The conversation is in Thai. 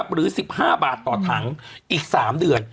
หรือ๑๕บาทต่อถังอีก๓เดือน